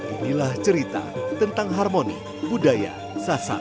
inilah cerita tentang harmoni budaya sasak